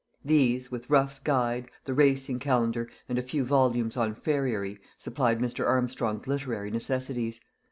These, with Ruff's Guide, the Racing Calendar, and a few volumes on farriery, supplied Mr. Armstrong's literary necessities.